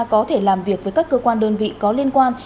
có thể làm việc với các cơ quan đơn vị có liên quan